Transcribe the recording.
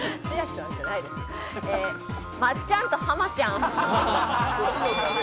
まっちゃんと浜ちゃん。